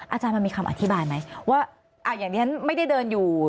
อาจารย์มันมีคำอธิบายไหมว่าอย่างที่ฉันไม่ได้เดินอยู่